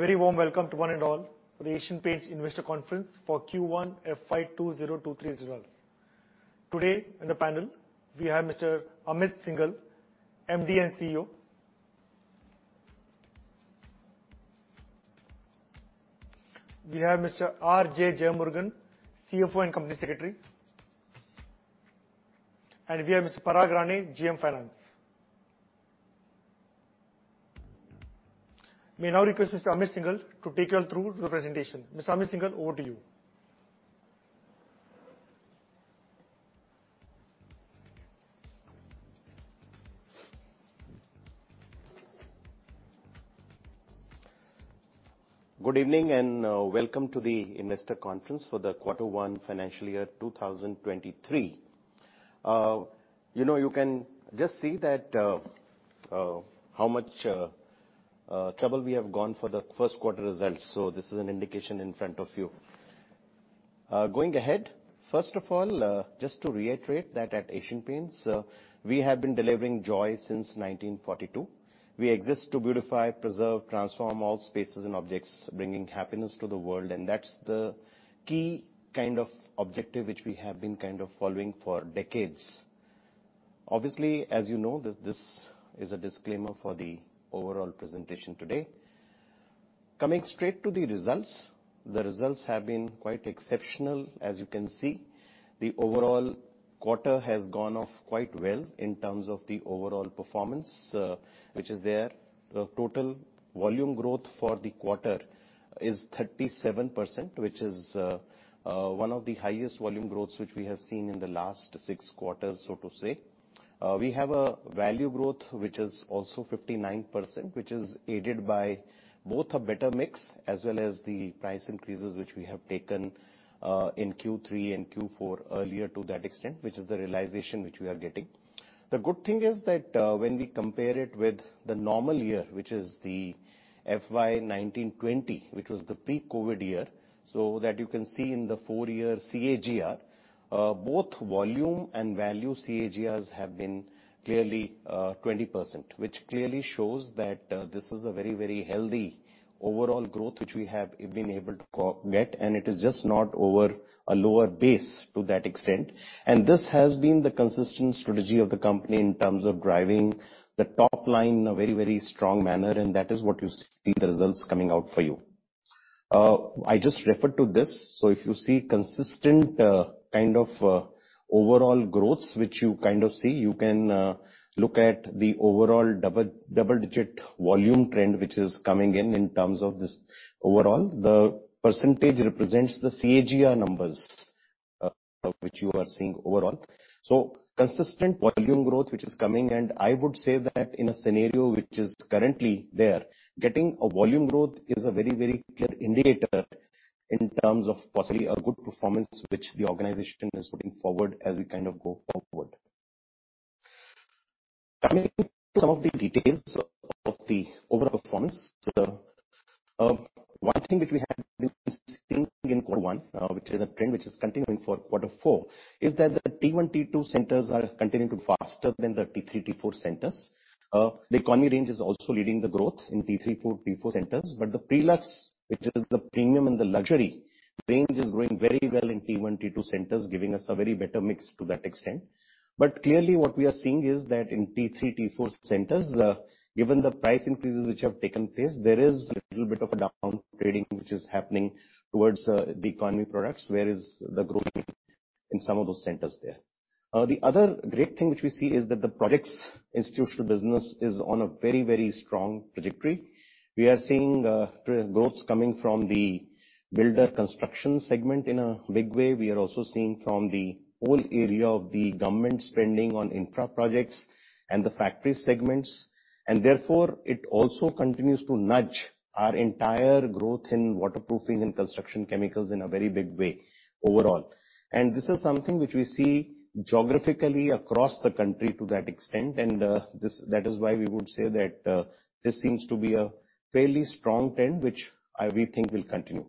A very warm welcome to one and all for the Asian Paints investor conference for Q1 FY 2023 results. Today in the panel we have Mr. Amit Syngle, MD and CEO. We have Mr. R J Jeyamurugan, CFO and Company Secretary. We have Mr. Parag Rane, GM Finance. May I now request Mr. Amit Syngle to take you all through the presentation. Mr. Amit Syngle, over to you. Good evening, and welcome to the investor conference for the quarter one financial year 2023. You know, you can just see that how much trouble we have gone for the first quarter results. This is an indication in front of you. Going ahead, first of all, just to reiterate that at Asian Paints, we have been delivering joy since 1942. We exist to beautify, preserve, transform all spaces and objects, bringing happiness to the world. That's the key kind of objective which we have been kind of following for decades. Obviously, as you know, this is a disclaimer for the overall presentation today. Coming straight to the results. The results have been quite exceptional, as you can see. The overall quarter has gone off quite well in terms of the overall performance, which is there. The total volume growth for the quarter is 37%, which is one of the highest volume growths which we have seen in the last six quarters, so to say. We have a value growth, which is also 59%, which is aided by both a better mix as well as the price increases which we have taken in Q3 and Q4 earlier to that extent, which is the realization which we are getting. The good thing is that, when we compare it with the normal year, which is the FY 2019, 2020, which was the pre-COVID year, so that you can see in the four-year CAGR, both volume and value CAGRs have been clearly, 20%, which clearly shows that, this is a very, very healthy overall growth, which we have been able to get, and it is just not over a lower base to that extent. This has been the consistent strategy of the company in terms of driving the top line in a very, very strong manner. That is what you see the results coming out for you. I just referred to this. If you see consistent, kind of, overall growths, which you kind of see, you can look at the overall double-digit volume trend which is coming in terms of this overall. The percentage represents the CAGR numbers, which you are seeing overall. Consistent volume growth which is coming, and I would say that in a scenario which is currently there, getting a volume growth is a very, very clear indicator in terms of possibly a good performance which the organization is putting forward as we kind of go forward. Coming to some of the details of the overall performance. One thing which we have been seeing in quarter one, which is a trend which is continuing for quarter four, is that the T1, T2 centers are continuing to grow faster than the T3, T4 centers. The economy range is also leading the growth in T3, T4 centers, but the Prelux, which is the premium and the luxury range, is growing very well in T1, T2 centers, giving us a very better mix to that extent. Clearly what we are seeing is that in T3, T4 centers, given the price increases which have taken place, there is a little bit of a downgrading which is happening towards, the economy products, whereas the growth in some of those centers there. The other great thing which we see is that the projects institutional business is on a very, very strong trajectory. We are seeing, growths coming from the builder construction segment in a big way. We are also seeing from the whole area of the government spending on infra projects and the factory segments, and therefore it also continues to nudge our entire growth in waterproofing and construction chemicals in a very big way overall. This is something which we see geographically across the country to that extent. That is why we would say that this seems to be a fairly strong trend, which we think will continue.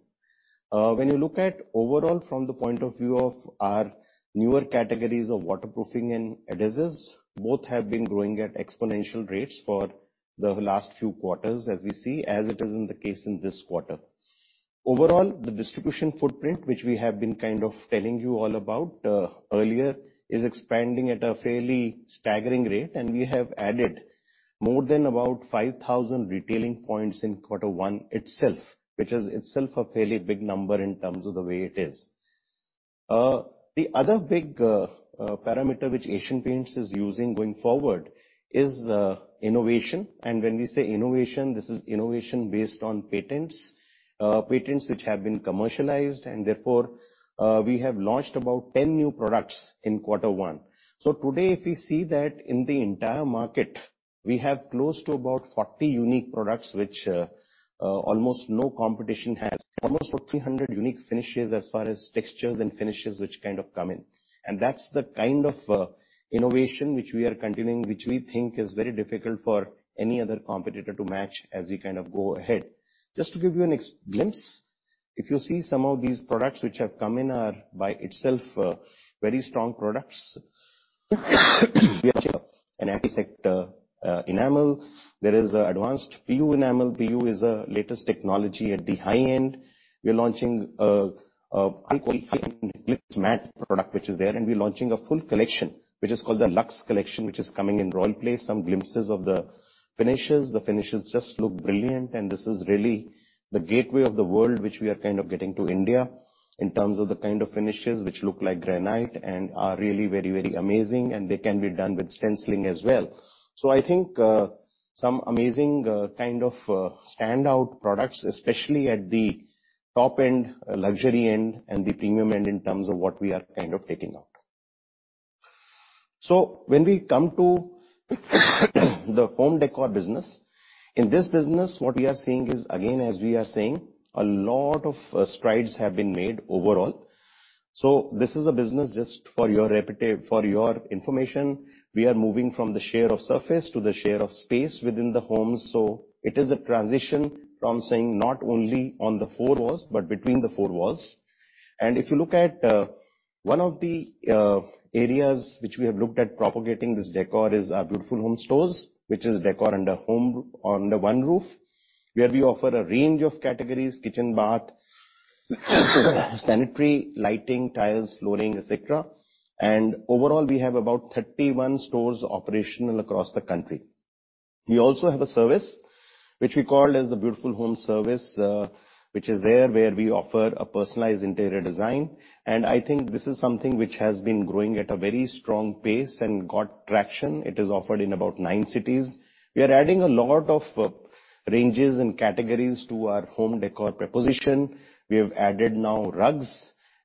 When you look at overall from the point of view of our newer categories of waterproofing and adhesives, both have been growing at exponential rates for the last few quarters, as we see, as it is in the case in this quarter. Overall, the distribution footprint, which we have been kind of telling you all about earlier, is expanding at a fairly staggering rate, and we have added more than about 5,000 retailing points in quarter one itself, which is itself a fairly big number in terms of the way it is. The other big parameter which Asian Paints is using going forward is innovation. When we say innovation, this is innovation based on patents. Patents which have been commercialized and therefore, we have launched about 10 new products in quarter one. Today, if we see that in the entire market, we have close to about 40 unique products, which almost no competition has. Almost 300 unique finishes as far as textures and finishes, which kind of come in. That's the kind of innovation which we are continuing, which we think is very difficult for any other competitor to match as we kind of go ahead. Just to give you a glimpse. If you see some of these products which have come in are by itself very strong products. We have here an anti-insect enamel. There is advanced PU enamel. PU is a latest technology at the high end. We are launching a matte product which is there, and we're launching a full collection, which is called the Lux collection, which is coming in Royale Glitz. Some glimpses of the finishes. The finishes just look brilliant, and this is really the gateway of the world, which we are kind of getting to India in terms of the kind of finishes which look like granite and are really very, very amazing, and they can be done with stenciling as well. I think some amazing kind of standout products, especially at the top end, luxury end and the premium end in terms of what we are kind of taking out. When we come to the home decor business, in this business, what we are seeing is, again, as we are saying, a lot of strides have been made overall. This is a business just for your information. We are moving from the share of surface to the share of space within the home. It is a transition from saying not only on the four walls, but between the four walls. If you look at one of the areas which we have looked at propagating this decor is our Beautiful Homes stores, which is decor under home under one roof, where we offer a range of categories, kitchen, bath, sanitary, lighting, tiles, flooring, et cetera. Overall, we have about 31 stores operational across the country. We also have a service which we call as the Beautiful Homes Service, which is there where we offer a personalized interior design. I think this is something which has been growing at a very strong pace and got traction. It is offered in about nine cities. We are adding a lot of ranges and categories to our home decor proposition. We have added now rugs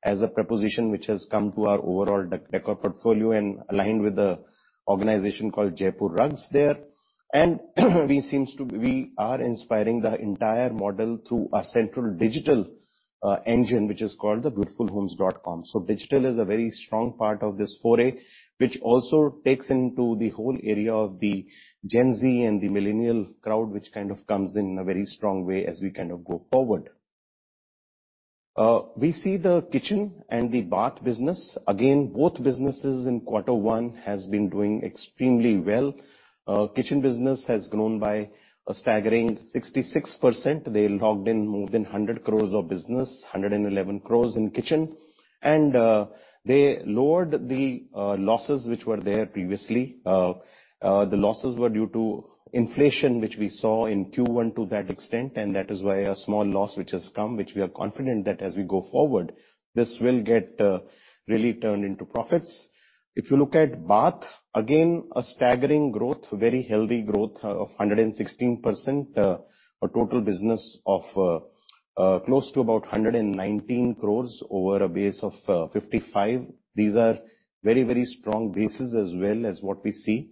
as a proposition which has come to our overall decor portfolio and aligned with the organization called Jaipur Rugs there. We are inspiring the entire model through a central digital engine, which is called the beautifulhomes.com. Digital is a very strong part of this foray, which also takes into the whole area of the Gen Z and the millennial crowd, which kind of comes in a very strong way as we kind of go forward. We see the kitchen and the bath business. Again, both businesses in quarter one has been doing extremely well. Kitchen business has grown by a staggering 66%. They logged in more than 100 crores of business, 111 crores in kitchen. They lowered the losses which were there previously. The losses were due to inflation, which we saw in Q1 to that extent. That is why a small loss which has come, which we are confident that as we go forward, this will get really turned into profits. If you look at bath, again, a staggering growth, very healthy growth of 116%. A total business of close to about 119 crore over a base of 55 crore. These are very, very strong bases as well as what we see.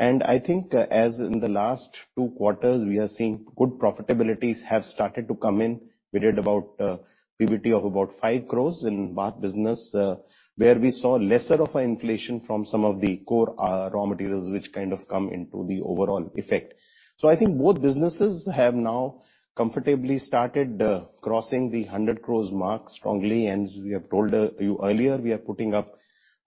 I think as in the last two quarters, we are seeing good profitabilities have started to come in. We did about PBT of about 5 crore in bath business, where we saw lesser of an inflation from some of the core raw materials which kind of come into the overall effect. I think both businesses have now comfortably started crossing the 100 crore mark strongly. As we have told you earlier, we are putting up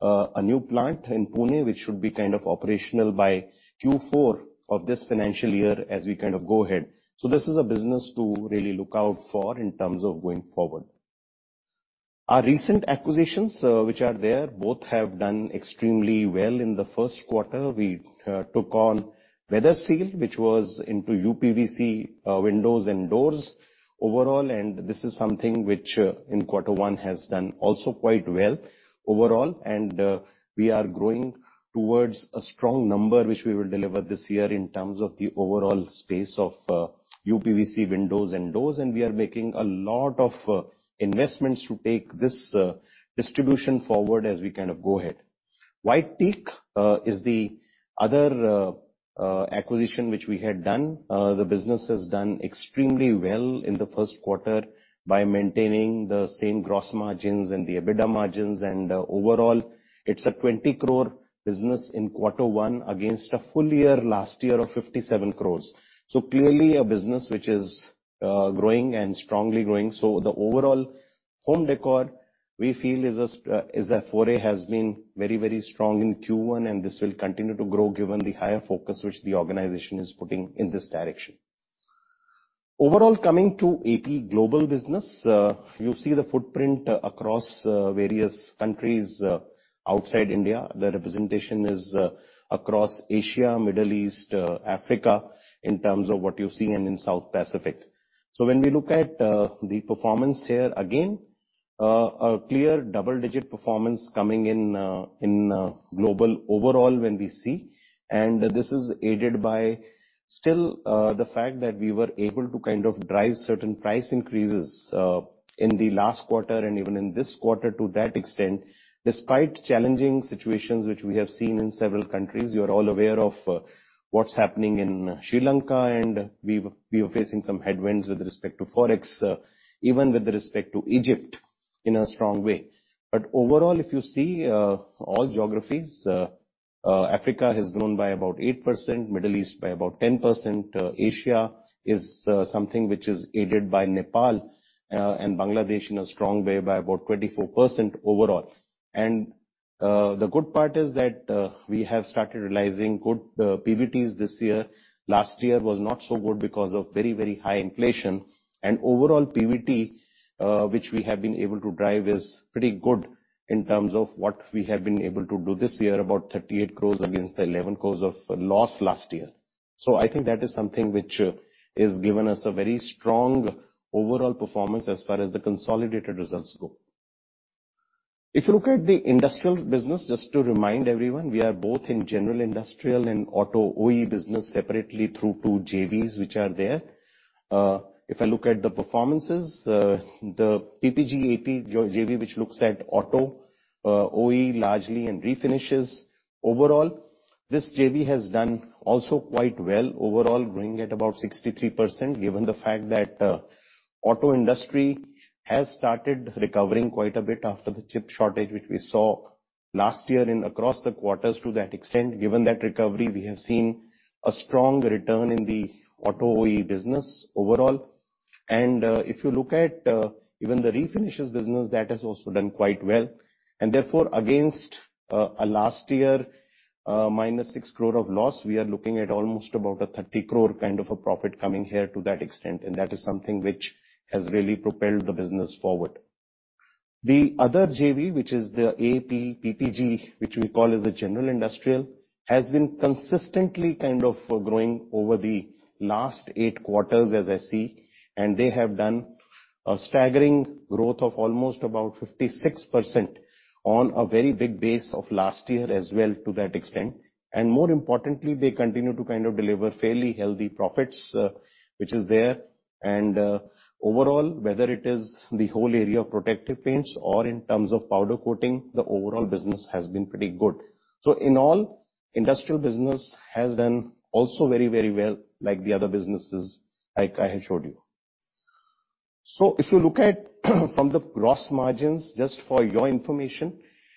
a new plant in Pune, which should be kind of operational by Q4 of this financial year as we kind of go ahead. This is a business to really look out for in terms of going forward. Our recent acquisitions, which are there, both have done extremely well in the first quarter. We took on Weatherseal, which was into uPVC windows and doors overall, and this is something which in quarter one has done also quite well overall. We are growing towards a strong number, which we will deliver this year in terms of the overall space of uPVC windows and doors. We are making a lot of investments to take this distribution forward as we kind of go ahead. White Teak is the other acquisition which we had done. The business has done extremely well in the first quarter by maintaining the same gross margins and the EBITDA margins. Overall, it's a 20 crore business in quarter one against a full year last year of 57 crores. Clearly a business which is growing and strongly growing. The overall home decor we feel is a foray, has been very, very strong in Q1, and this will continue to grow given the higher focus which the organization is putting in this direction. Overall, coming to AP global business, you see the footprint across various countries outside India. The representation is across Asia, Middle East, Africa, in terms of what you see and in South Pacific. When we look at the performance here, again, a clear double-digit performance coming in in global overall when we see. This is aided by still the fact that we were able to kind of drive certain price increases in the last quarter and even in this quarter to that extent, despite challenging situations which we have seen in several countries. You are all aware of what's happening in Sri Lanka, and we are facing some headwinds with respect to Forex, even with respect to Egypt in a strong way. Overall, if you see all geographies, Africa has grown by about 8%, Middle East by about 10%. Asia is something which is aided by Nepal and Bangladesh in a strong way by about 24% overall. The good part is that we have started realizing good PBTs this year. Last year was not so good because of very, very high inflation. Overall PBT which we have been able to drive is pretty good in terms of what we have been able to do this year, about 38 crore against the 11 crore of loss last year. I think that is something which has given us a very strong overall performance as far as the consolidated results go. If you look at the industrial business, just to remind everyone, we are both in general industrial and auto OE business separately through two JVs which are there. If I look at the performances, the PPG AP JV which looks at auto, OE largely and refinishes. Overall, this JV has done also quite well. Overall, growing at about 63%, given the fact that, auto industry has started recovering quite a bit after the chip shortage which we saw last year and across the quarters to that extent. Given that recovery, we have seen a strong return in the auto OE business overall. If you look at even the refinishes business, that has also done quite well. Therefore, against last year, -6 crore of loss, we are looking at almost about a 30 crore kind of a profit coming here to that extent. That is something which has really propelled the business forward. The other JV, which is the AP PPG, which we call as a general industrial, has been consistently kind of growing over the last eight quarters, as I see. They have done a staggering growth of almost about 56% on a very big base of last year as well to that extent. More importantly, they continue to kind of deliver fairly healthy profits, which is there. Overall, whether it is the whole area of protective paints or in terms of powder coating, the overall business has been pretty good. In all, industrial business has done also very, very well like the other businesses like I had showed you. If you look at from the gross margins, just for your information,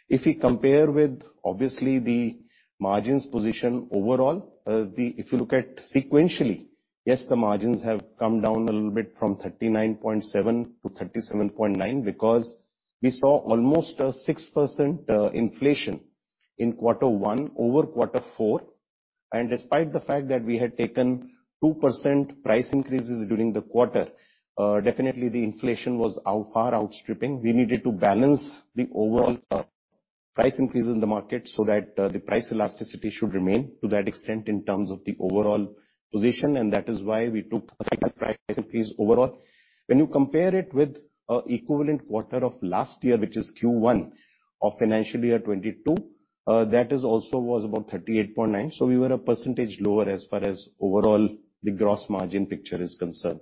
if we compare with obviously the margins position overall, the. If you look at sequentially, yes, the margins have come down a little bit from 39.7% to 37.9%, because we saw almost a 6% inflation in quarter one over quarter four. Despite the fact that we had taken 2% price increases during the quarter, definitely the inflation was out far outstripping. We needed to balance the overall price increase in the market so that the price elasticity should remain to that extent in terms of the overall position, and that is why we took a second price increase overall. When you compare it with equivalent quarter of last year, which is Q1 of financial year 2022, that is also was about 38.9%. We were a percentage lower as far as overall the gross margin picture is concerned.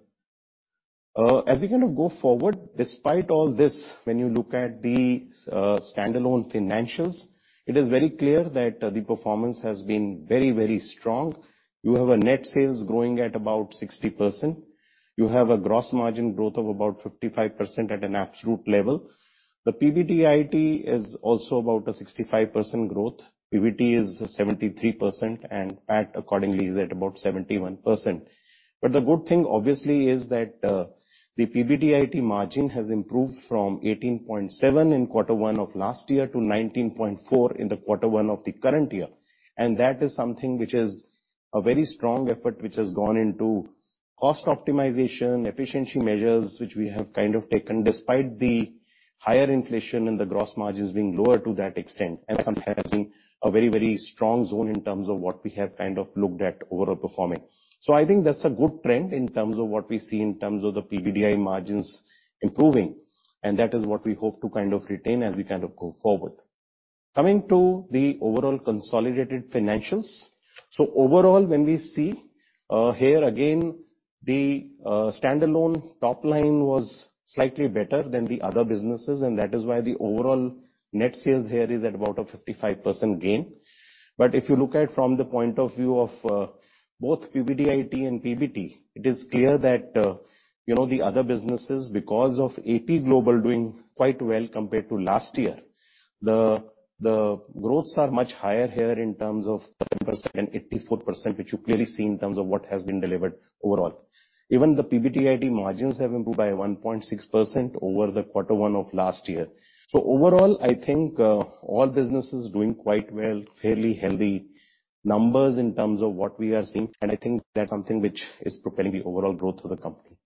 As we kind of go forward, despite all this, when you look at the standalone financials, it is very clear that the performance has been very, very strong. You have net sales growing at about 60%. You have a gross margin growth of about 55% at an absolute level. The PBDIT is also about a 65% growth. PBT is 73%, and PAT accordingly is at about 71%. But the good thing obviously is that the PBDIT margin has improved from 18.7% in quarter one of last year to 19.4% in quarter one of the current year. That is something which is a very strong effort which has gone into cost optimization, efficiency measures, which we have kind of taken despite the higher inflation and the gross margins being lower to that extent. Sometimes being a very, very strong zone in terms of what we have kind of looked at overall performing. I think that's a good trend in terms of what we see in terms of the PBDIT margins improving, and that is what we hope to kind of retain as we kind of go forward. Coming to the overall consolidated financials. Overall, when we see, here again, the standalone top line was slightly better than the other businesses, and that is why the overall net sales here is at about a 55% gain. If you look at from the point of view of both PBDIT and PBT, it is clear that you know, the other businesses, because of AP Global doing quite well compared to last year, the growths are much higher here in terms of 10% and 84%, which you clearly see in terms of what has been delivered overall. Even the PBDIT margins have improved by 1.6% over the quarter one of last year. Overall, I think all businesses doing quite well, fairly healthy numbers in terms of what we are seeing, and I think that's something which is propelling the overall growth of the company.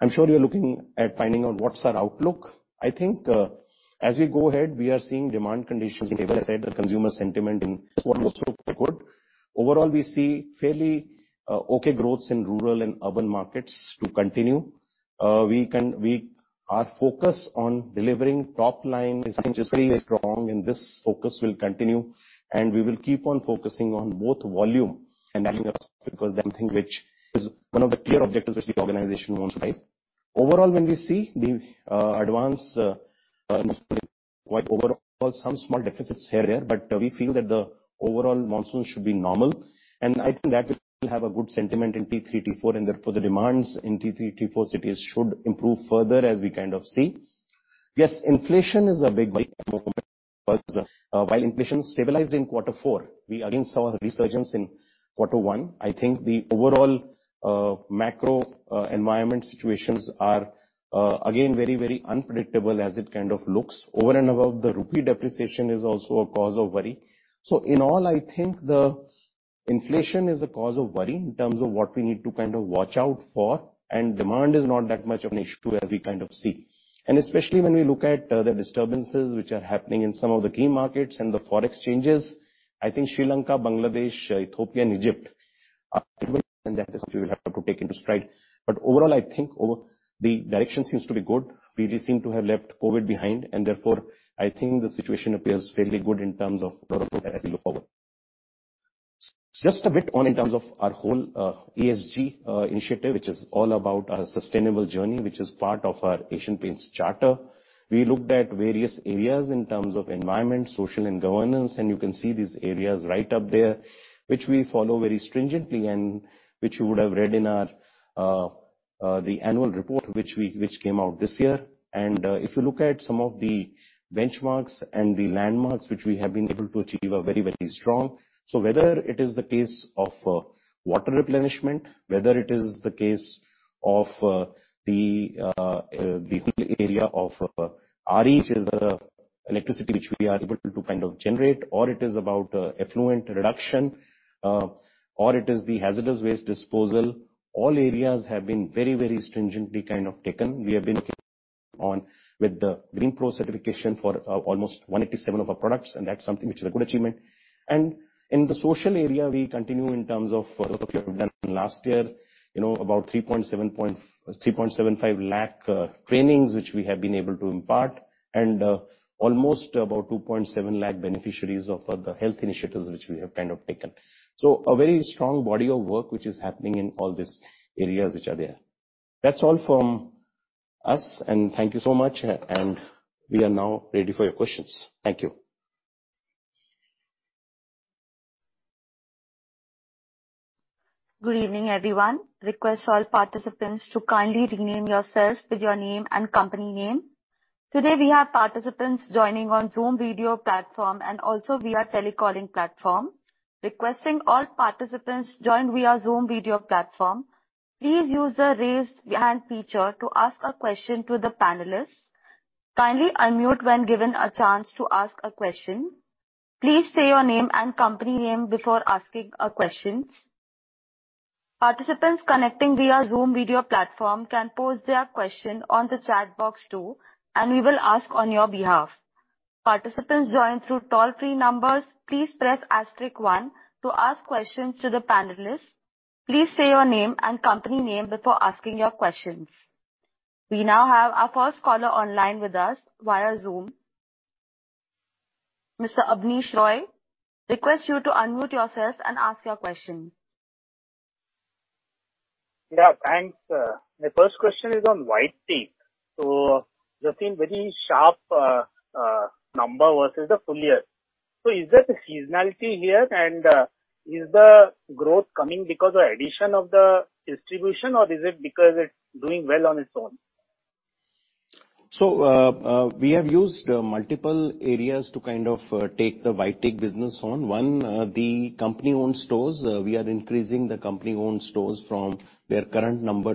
I'm sure you're looking at finding out what's our outlook. I think as we go ahead, we are seeing demand conditions. Like I said, the consumer sentiment in quarter one was still good. Overall, we see fairly okay growths in rural and urban markets to continue. Our focus on delivering top line is something which is very strong, and this focus will continue, and we will keep on focusing on both volume and margin, because that's something which is one of the clear objectives which the organization wants to drive. Overall, when we see the advance monsoon quite overall, some small deficits here and there, but we feel that the overall monsoon should be normal. I think that will have a good sentiment in T3, T4, and therefore the demands in T3, T4 cities should improve further as we kind of see. Yes, inflation is a big worry, while inflation stabilized in quarter four, we again saw a resurgence in quarter one. I think the overall macro environment situations are again very, very unpredictable as it kind of looks. Over and above, the rupee depreciation is also a cause of worry. In all, I think the inflation is a cause of worry in terms of what we need to kind of watch out for, and demand is not that much of an issue as we kind of see. Especially when we look at the disturbances which are happening in some of the key markets and the forex changes. I think Sri Lanka, Bangladesh, Ethiopia and Egypt are and that is something we will have to take into stride. Overall, I think the direction seems to be good. We just seem to have left COVID behind and therefore I think the situation appears fairly good in terms of as we look forward. Just a bit on in terms of our whole ESG initiative, which is all about our sustainable journey, which is part of our Asian Paints Charter. We looked at various areas in terms of environment, social and governance, and you can see these areas right up there, which we follow very stringently and which you would have read in our the annual report which came out this year. If you look at some of the benchmarks and the landmarks which we have been able to achieve are very, very strong. Whether it is the case of water replenishment, whether it is the case of the whole area of RE, which is electricity, which we are able to kind of generate or it is about effluent reduction, or it is the hazardous waste disposal. All areas have been very, very stringently kind of taken. We have been on with the GreenPro certification for almost 187 of our products, and that's something which is a good achievement. In the social area, we continue in terms of we have done last year, you know, about 3.75 lakh trainings which we have been able to impart and almost about 2.7 lakh beneficiaries of the health initiatives which we have kind of taken. A very strong body of work which is happening in all these areas which are there. That's all from us and thank you so much, and we are now ready for your questions. Thank you. Good evening, everyone. Request all participants to kindly rename yourself with your name and company name. Today we have participants joining on Zoom video platform and also via tele calling platform. Requesting all participants join via Zoom video platform. Please use the Raise Hand feature to ask a question to the panelists. Kindly unmute when given a chance to ask a question. Please say your name and company name before asking a question. Participants connecting via Zoom video platform can pose their question on the chat box too, and we will ask on your behalf. Participants joined through toll-free numbers, please press asterisk one to ask questions to the panelists. Please say your name and company name before asking your questions. We now have our first caller online with us via Zoom. Mr. Abneesh Roy, request you to unmute yourself and ask your question. Yeah. Thanks. My first question is on White Teak. You're seeing very sharp numbers versus the full year. Is there a seasonality here and is the growth coming because of addition of the distribution or is it because it's doing well on its own? We have used multiple areas to kind of take the White Teak business on. One, the company-owned stores. We are increasing the company-owned stores from their current number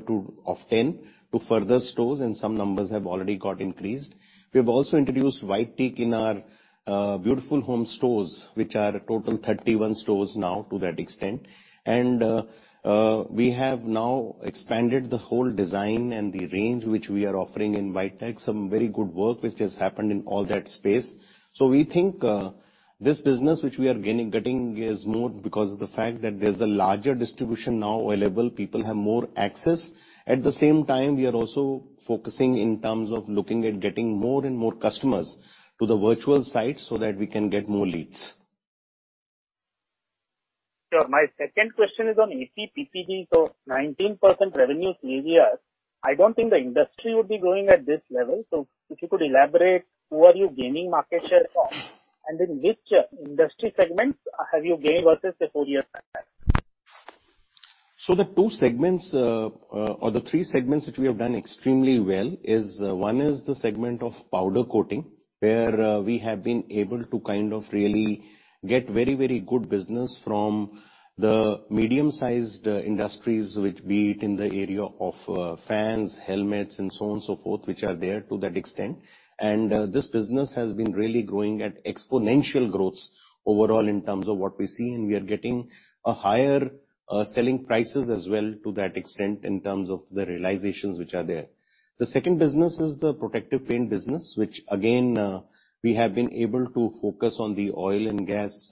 of 10 stores to 50 stores, and some numbers have already got increased. We've also introduced White Teak in our Beautiful Homes stores, which are a total of 31 stores now to that extent. We have now expanded the whole design and the range which we are offering in White Teak, some very good work which has happened in all that space. We think this business which we are getting is more because of the fact that there's a larger distribution now available, people have more access. At the same time, we are also focusing in terms of looking at getting more and more customers to the virtual site so that we can get more leads. Sure. My second question is on Asian Paints PPG. 19% revenue CAGR. I don't think the industry would be growing at this level. If you could elaborate, who are you gaining market share from? And in which industry segments have you gained versus the full year? The two segments, or the three segments which we have done extremely well is, one is the segment of powder coating, where we have been able to kind of really get very, very good business from the medium-sized industries, which be it in the area of, fans, helmets and so on and so forth, which are there to that extent. This business has been really growing at exponential growth overall in terms of what we see. We are getting a higher selling prices as well to that extent in terms of the realizations which are there. The second business is the protective paint business, which again, we have been able to focus on the oil and gas,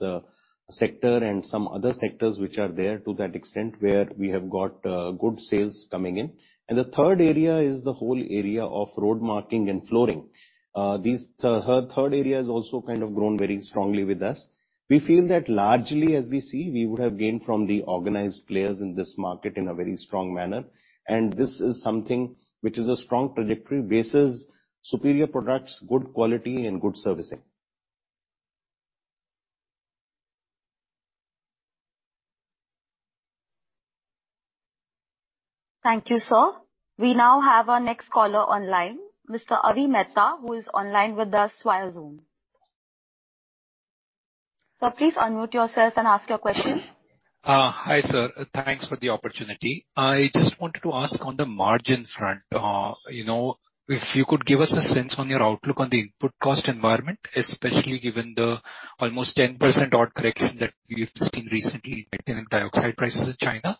sector and some other sectors which are there to that extent, where we have got, good sales coming in. The third area is the whole area of road marking and flooring. This third area has also kind of grown very strongly with us. We feel that largely as we see, we would have gained from the organized players in this market in a very strong manner, and this is something which is a strong trajectory basis, superior products, good quality and good servicing. Thank you, sir. We now have our next caller online, Mr. Avi Mehta, who is online with us via Zoom. Sir, please unmute yourself and ask your question. Hi, sir. Thanks for the opportunity. I just wanted to ask on the margin front, you know, if you could give us a sense on your outlook on the input cost environment, especially given the almost 10% odd correction that we've seen recently in titanium dioxide prices in China.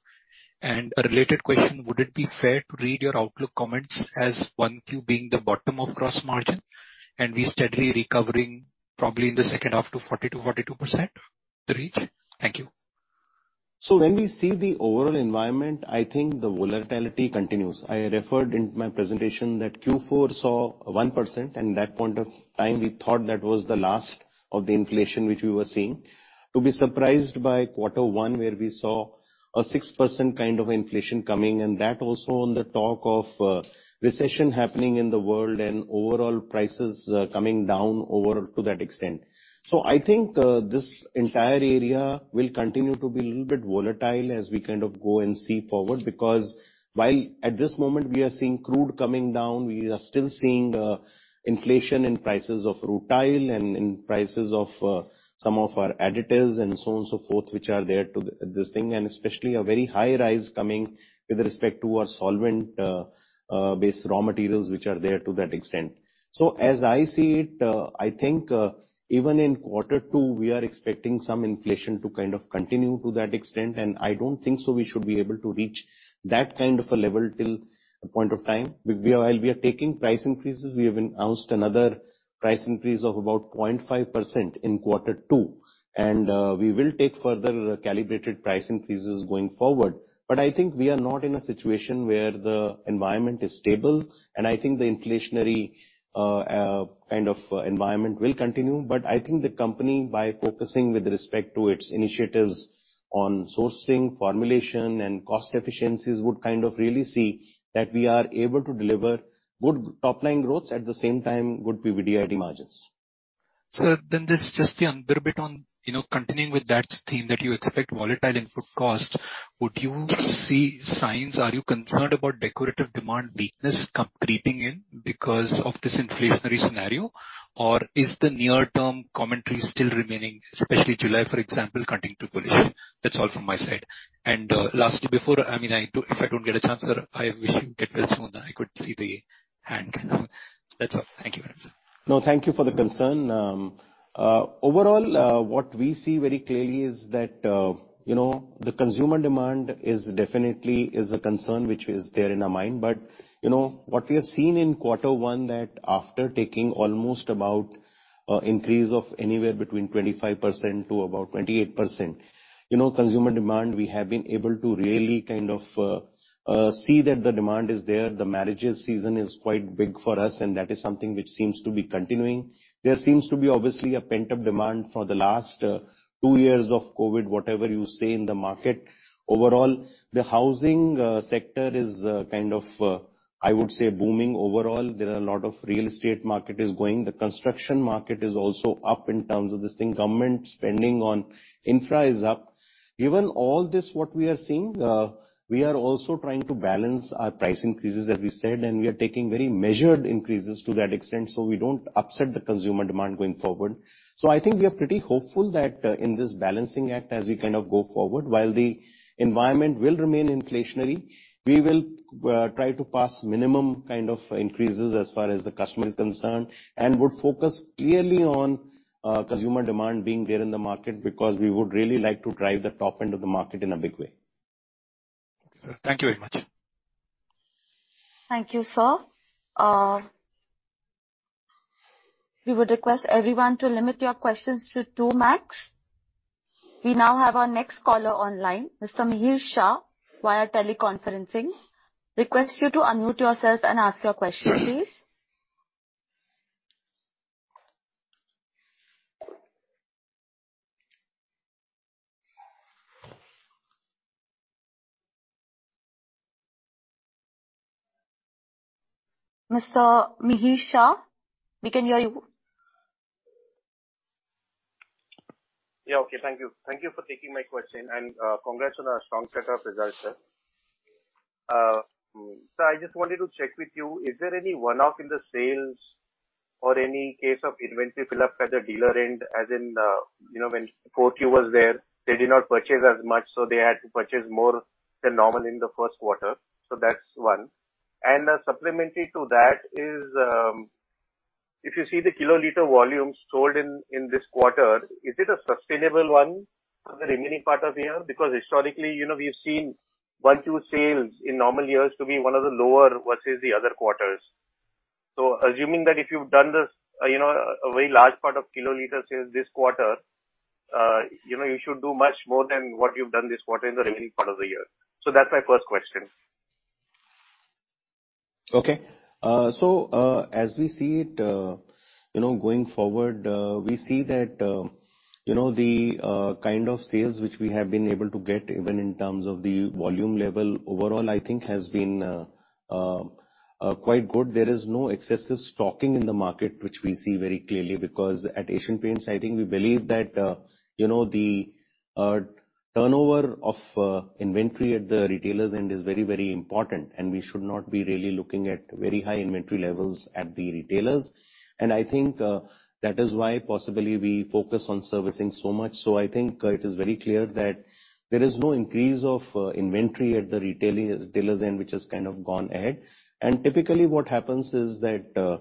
A related question, would it be fair to read your outlook comments as Q1 being the bottom of gross margin and we steadily recovering probably in the second half to 40%-42% to reach? Thank you. When we see the overall environment, I think the volatility continues. I referred in my presentation that Q4 saw 1%, and that point of time we thought that was the last of the inflation which we were seeing. To be surprised by quarter one, where we saw a 6% kind of inflation coming, and that also on the talk of, recession happening in the world and overall prices, coming down over to that extent. I think this entire area will continue to be a little bit volatile as we kind of go and see forward, because while at this moment we are seeing crude coming down, we are still seeing inflation in prices of rutile and in prices of some of our additives and so on and so forth, which are there to this thing, and especially a very high rise coming with respect to our solvent based raw materials which are there to that extent. As I see it, I think even in quarter two we are expecting some inflation to kind of continue to that extent, and I don't think so we should be able to reach that kind of a level till a point of time. We, while we are taking price increases, we have announced another price increase of about 0.5% in quarter two. We will take further calibrated price increases going forward. I think we are not in a situation where the environment is stable, and I think the inflationary, kind of environment will continue. I think the company, by focusing with respect to its initiatives on sourcing, formulation and cost efficiencies, would kind of really see that we are able to deliver good top-line growth, at the same time good EBITDA margins. Sir, this just a little bit on, you know, continuing with that theme that you expect volatile input cost. Would you see signs? Are you concerned about decorative demand weakness coming creeping in because of this inflationary scenario? Or is the near-term commentary still remaining, especially July, for example, coming to pass? That's all from my side. Lastly, I mean, if I don't get a chance, sir, I wish you get well soon. I could see the hand. That's all. Thank you very much, sir. No, thank you for the concern. Overall, what we see very clearly is that, you know, the consumer demand is definitely a concern which is there in our mind. What we have seen in quarter one, that after taking almost about increase of anywhere between 25% to about 28%, you know, consumer demand, we have been able to really kind of see that the demand is there. The marriage season is quite big for us, and that is something which seems to be continuing. There seems to be obviously a pent-up demand for the last two years of COVID, whatever you say in the market. Overall, the housing sector is kind of I would say booming overall. There are a lot of real estate market is growing. The construction market is also up in terms of this thing. Government spending on infra is up. Given all this, what we are seeing, we are also trying to balance our price increases, as we said, and we are taking very measured increases to that extent, so we don't upset the consumer demand going forward. I think we are pretty hopeful that, in this balancing act, as we kind of go forward, while the environment will remain inflationary, we will, try to pass minimum kind of increases as far as the customer is concerned and would focus clearly on, consumer demand being there in the market, because we would really like to drive the top end of the market in a big way. Thank you very much. Thank you, sir. We would request everyone to limit your questions to two max. We now have our next caller online, Mr. Mihir Shah via Teleconferencing. Request you to unmute yourself and ask your question, please. Mr. Mihir Shah, we can hear you. Yeah. Okay. Thank you. Thank you for taking my question. Congrats on a strong set of results, sir. I just wanted to check with you. Is there any one-off in the sales or any case of inventory fill-up at the dealer end, as in, you know, when Q4 was there, they did not purchase as much, so they had to purchase more than normal in the first quarter. That's one. Supplementary to that is, if you see the kiloliter volume sold in this quarter, is it a sustainable one for the remaining part of the year? Because historically, you know, we've seen Q1 sales in normal years to be one of the lower versus the other quarters. Assuming that if you've done this, you know, a very large part of kiloliter sales this quarter, you know, you should do much more than what you've done this quarter in the remaining part of the year. That's my first question. Okay. So, as we see it, you know, going forward, we see that, you know, the kind of sales which we have been able to get even in terms of the volume level overall, I think has been quite good. There is no excessive stocking in the market, which we see very clearly, because at Asian Paints, I think we believe that, you know, the turnover of inventory at the retailers end is very, very important, and we should not be really looking at very high inventory levels at the retailers. I think that is why possibly we focus on servicing so much. I think it is very clear that there is no increase of inventory at the retail dealers end, which has kind of gone ahead. Typically, what happens is that,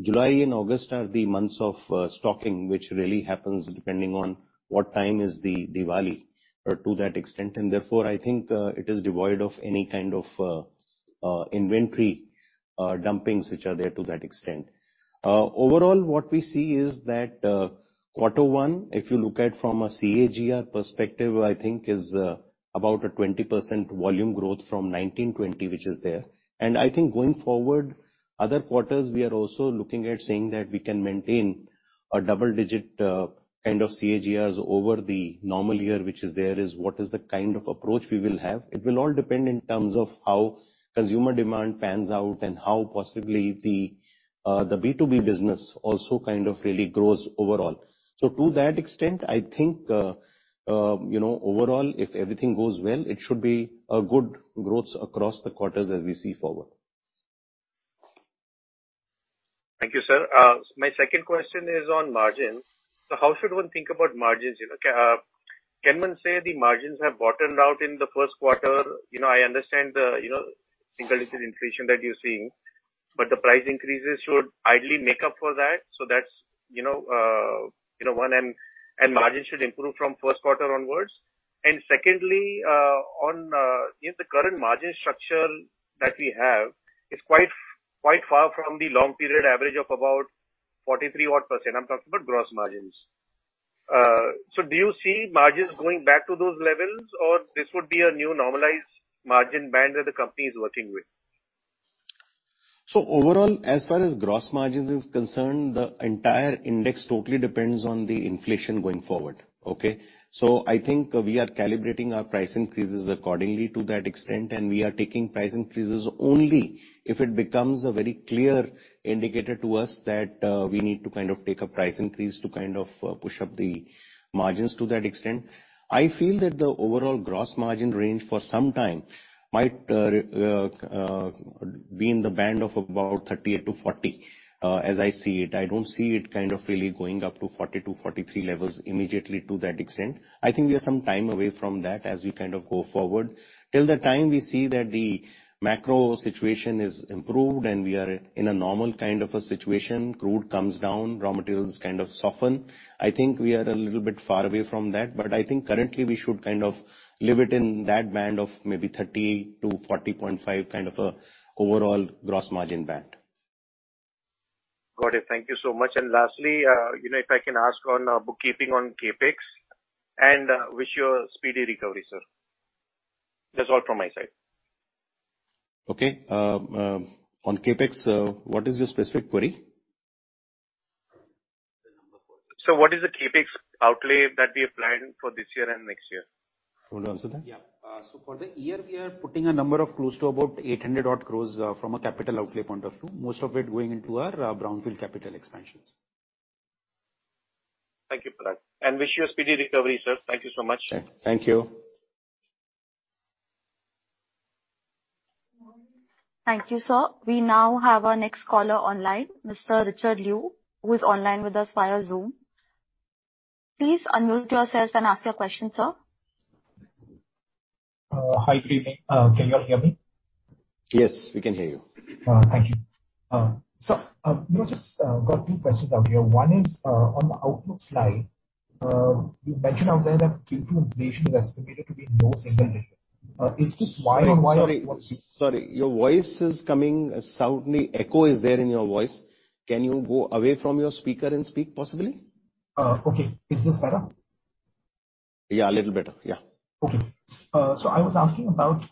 July and August are the months of, stocking, which really happens depending on what time is the Diwali or to that extent. Therefore, I think, it is devoid of any kind of, inventory, dumpings which are there to that extent. Overall, what we see is that, quarter one, if you look at from a CAGR perspective, I think is, about a 20% volume growth from 19%, 20%, which is there. I think going forward, other quarters, we are also looking at saying that we can maintain a double digit, kind of CAGRs over the normal year, which is there is what is the kind of approach we will have. It will all depend in terms of how consumer demand pans out and how possibly the the B2B business also kind of really grows overall. To that extent, I think, you know, overall, if everything goes well, it should be a good growth across the quarters as we see forward. Thank you, sir. My second question is on margins. How should one think about margins? You know, can one say the margins have bottomed out in the first quarter? You know, I understand the, you know, single-digit inflation that you're seeing, but the price increases should ideally make up for that. That's, you know, one, and margins should improve from first quarter onwards. Secondly, the current margin structure that we have is quite far from the long period average of about 43 odd %. I'm talking about gross margins. Do you see margins going back to those levels or this would be a new normalized margin band that the company is working with? Overall, as far as gross margins is concerned, the entire index totally depends on the inflation going forward. Okay? I think we are calibrating our price increases accordingly to that extent, and we are taking price increases only if it becomes a very clear indicator to us that we need to kind of take a price increase to kind of push up the margins to that extent. I feel that the overall gross margin range for some time might be in the band of about 38%-40%, as I see it. I don't see it kind of really going up to 42%-43% levels immediately to that extent. I think we are some time away from that as we kind of go forward. Till the time we see that the macro situation is improved and we are in a normal kind of a situation, crude comes down, raw materials kind of soften. I think we are a little bit far away from that, but I think currently we should kind of leave it in that band of maybe 30%-40.5% kind of a overall gross margin band. Got it. Thank you so much. Lastly, you know, if I can ask on bookkeeping on CapEx. Wish you a speedy recovery, sir. That's all from my side. Okay. On CapEx, what is your specific query? What is the CapEx outlay that we have planned for this year and next year? Should I answer that? For the year, we are putting a number of close to about 800-odd crore from a capital outlay point of view, most of it going into our brownfield capital expansions. Thank you, Parag. Wish you a speedy recovery, sir. Thank you so much. Thank you. Thank you, sir. We now have our next caller online, Mr. Richard Liu, who is online with us via Zoom. Please unmute yourself and ask your question, sir. Hi, good evening. Can you all hear me? Yes, we can hear you. Thank you. You know, just got two questions out here. One is, on the outlook slide, you mentioned out there that future inflation is estimated to be low single digit. Is this YoY? Sorry, sorry. Your voice is coming. Certainly echo is there in your voice. Can you go away from your speaker and speak possibly? Okay. Is this better? Yeah, a little better. Yeah. Okay. I was asking about,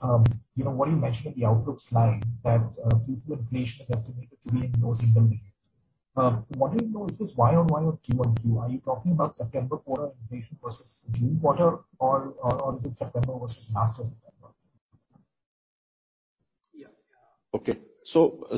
you know, what you mentioned in the outlook slide that future inflation is estimated to be in low single digits. What do you know, is this Y-on-Y or Q-on-Q? Are you talking about September quarter inflation versus June quarter or is it September versus last year's September? Yeah. Okay.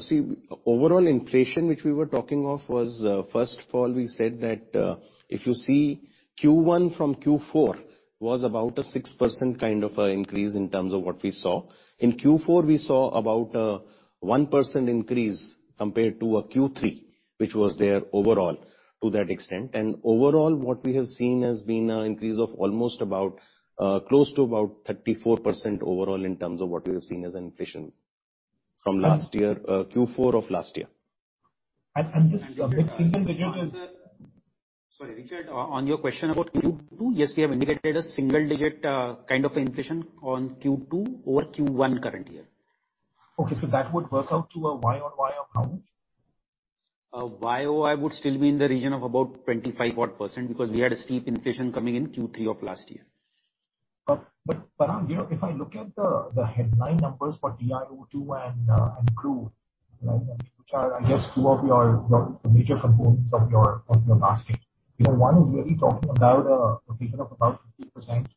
See, overall inflation, which we were talking of was, first of all, we said that, if you see Q1 from Q4 was about a 6% kind of a increase in terms of what we saw. In Q4, we saw about, 1% increase compared to, Q3, which was there overall to that extent. Overall, what we have seen has been an increase of almost about, close to about 34% overall in terms of what we have seen as inflation from last year, Q4 of last year. This single digit is. Sorry, Richard, on your question about Q2, yes, we have indicated a single-digit kind of inflation on Q2 over Q1 current year. Okay. That would work out to a YoY of how much? Y on Y would still be in the region of about 25 odd % because we had a steep inflation coming in Q3 of last year. Parag, you know, if I look at the headline numbers for TiO2, which are, I guess, 2 of your major components of your basket. You know, one is really talking about a pickup of about 50%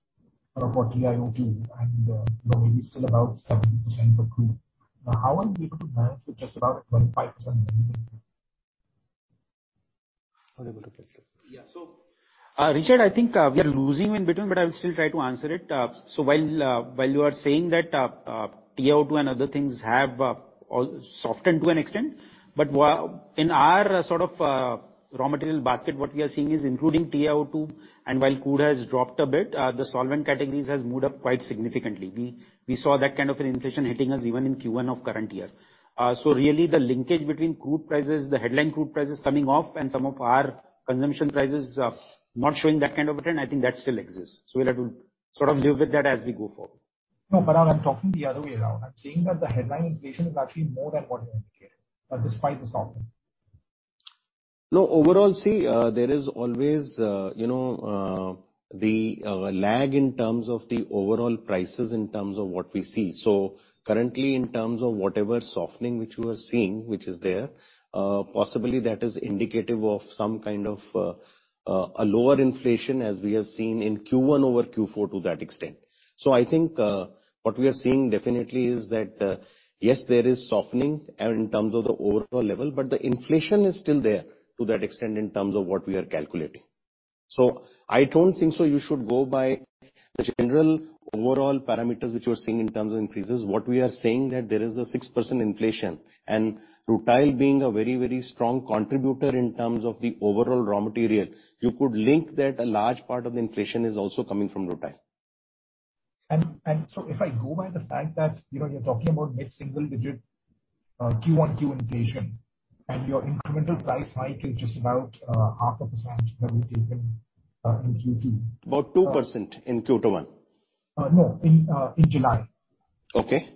for TiO2, and you know, maybe still about 7% for crude. Now, how are you people going to manage with just about a 0.5% Yeah. Richard, I think we are losing in between, but I will still try to answer it. While you are saying that, TiO2 and other things have all softened to an extent, but in our sort of raw material basket, what we are seeing is including TiO2, and while crude has dropped a bit, the solvent categories has moved up quite significantly. We saw that kind of an inflation hitting us even in Q1 of current year. Really the linkage between crude prices, the headline crude prices coming off and some of our consumption prices not showing that kind of a trend, I think that still exists. We'll have to sort of live with that as we go forward. No, but I'm talking the other way around. I'm saying that the headline inflation is actually more than what you indicated, despite the softening. No, overall, see, there is always, you know, the lag in terms of the overall prices in terms of what we see. Currently, in terms of whatever softening which you are seeing, which is there, possibly that is indicative of some kind of a lower inflation as we have seen in Q1 over Q4 to that extent. I think, what we are seeing definitely is that, yes, there is softening in terms of the overall level, but the inflation is still there to that extent in terms of what we are calculating. I don't think so you should go by the general overall parameters which you are seeing in terms of increases. What we are saying that there is a 6% inflation, and rutile being a very, very strong contributor in terms of the overall raw material, you could link that a large part of the inflation is also coming from rutile. If I go by the fact that, you know, you're talking about mid-single digit Q-on-Q inflation, and your incremental price hike is just about 0.5% that was taken in Q2. About 2% in quarter one. No, in July. Okay.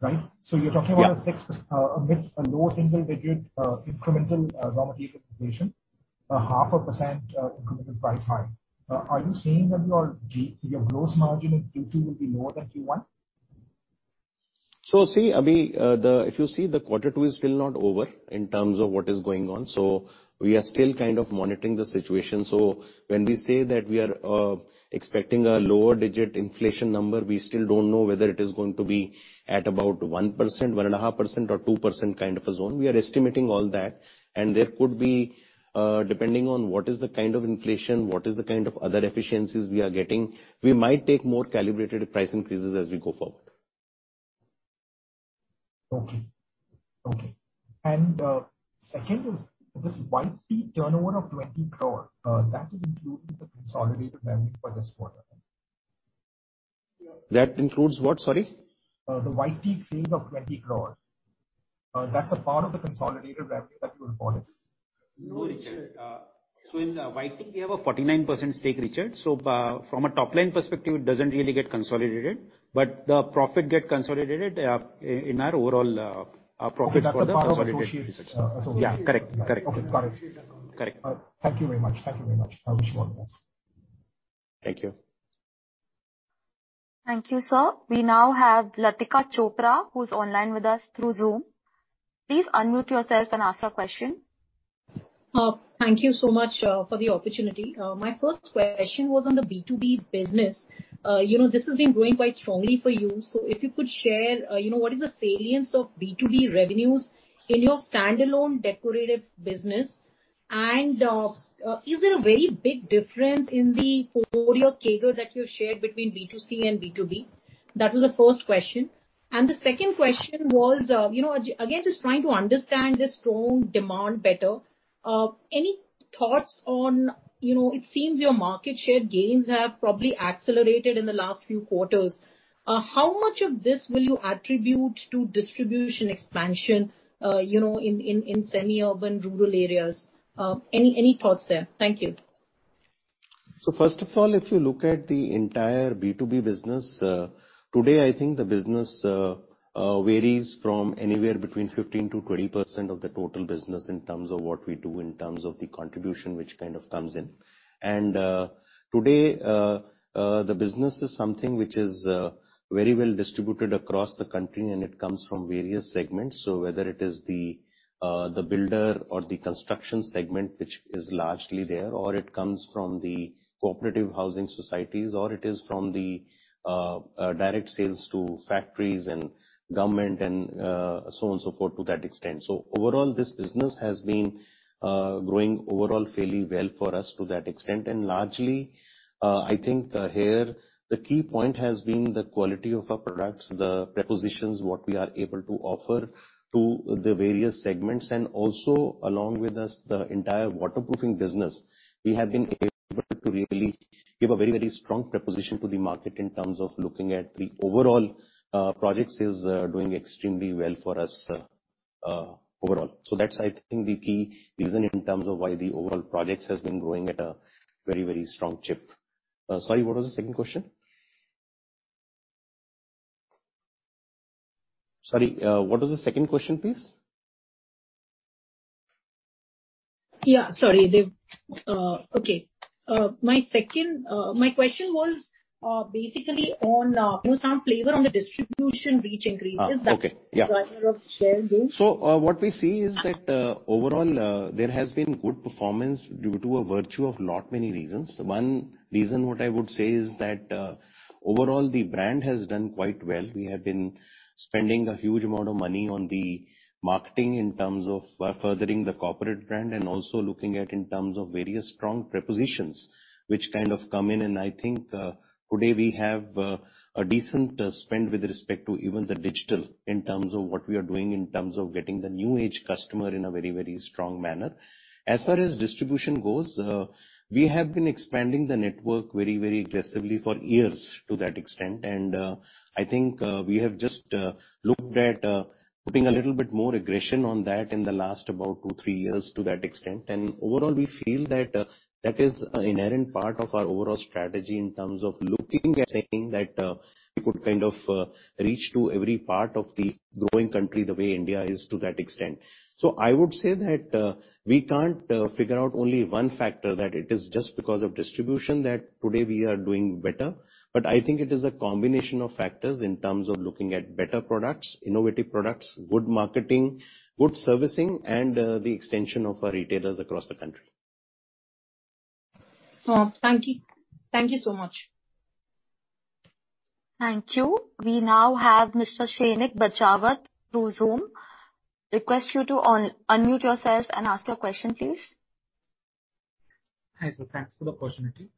Right? You're talking about. Yeah. A low single digit incremental raw material inflation, 0.5% incremental price hike. Are you saying that your gross margin in Q2 will be more than Q1? See, Avi, if you see the quarter two is still not over in terms of what is going on. We are still kind of monitoring the situation. When we say that we are expecting a low single-digit inflation number, we still don't know whether it is going to be at about 1%, 1.5% or 2% kind of a zone. We are estimating all that. There could be, depending on what is the kind of inflation, what is the kind of other efficiencies we are getting, we might take more calibrated price increases as we go forward. Okay. Second is this White Teak turnover of 20 crore that is included in the consolidated revenue for this quarter? That includes what? Sorry. The White Teak sales of 20 crore. That's a part of the consolidated revenue that you reported. No, Richard. In White Teak we have a 49% stake, Richard. From a top-line perspective, it doesn't really get consolidated. The profit get consolidated in our overall, our profit for the consolidated business. Okay. That's a part of associates, associated Yeah, correct. Correct. Okay. Got it. Correct. Thank you very much. I wish you all the best. Thank you. Thank you, sir. We now have Latika Chopra who's online with us through Zoom. Please unmute yourself and ask your question. Thank you so much for the opportunity. My first question was on the B2B business. You know, this has been growing quite strongly for you. If you could share, you know, what is the salience of B2B revenues in your standalone decorative business. Is there a very big difference in the four-year CAGR that you shared between B2C and B2B? That was the first question. The second question was, you know, again, just trying to understand this strong demand better. Any thoughts on, you know, it seems your market share gains have probably accelerated in the last few quarters. How much of this will you attribute to distribution expansion, you know, in semi-urban, rural areas? Any thoughts there? Thank you. First of all, if you look at the entire B2B business, today, I think the business varies from anywhere between 15%-20% of the total business in terms of what we do, in terms of the contribution which kind of comes in. Today, the business is something which is very well distributed across the country and it comes from various segments. Whether it is the builder or the construction segment, which is largely there, or it comes from the cooperative housing societies, or it is from the direct sales to factories and government and so on, so forth, to that extent. Overall, this business has been growing overall fairly well for us to that extent. Largely, I think, here the key point has been the quality of our products, the propositions which we are able to offer to the various segments. Also along with us, the entire waterproofing business, we have been able to really give a very, very strong proposition to the market in terms of looking at the overall projects is doing extremely well for us, overall. That's I think the key reason in terms of why the overall projects has been growing at a very, very strong clip. Sorry, what was the second question? Sorry, what was the second question, please? Yeah. Sorry. Okay. My second question was basically on some flavor on the distribution reach increases. Okay. Yeah. That you are sort of sharing. What we see is that, overall, there has been good performance due to a variety of lot many reasons. One reason what I would say is that, overall, the brand has done quite well. We have been spending a huge amount of money on the marketing in terms of, furthering the corporate brand and also looking at in terms of various strong propositions which kind of come in. I think, today we have a decent spend with respect to even the digital in terms of what we are doing, in terms of getting the new-age customer in a very, very strong manner. As far as distribution goes, we have been expanding the network very, very aggressively for years to that extent. I think we have just looked at putting a little bit more aggression on that in the last about two, three years to that extent. Overall, we feel that that is an inherent part of our overall strategy in terms of looking at saying that we could kind of reach to every part of the growing country the way India is to that extent. I would say that we can't figure out only one factor, that it is just because of distribution that today we are doing better. I think it is a combination of factors in terms of looking at better products, innovative products, good marketing, good servicing, and the extension of our retailers across the country. Oh, thank you. Thank you so much. Thank you. We now have Mr. Shrenik Bachhawat through Zoom. Request you to unmute yourself and ask your question, please. Hi, sir. Thanks for the opportunity.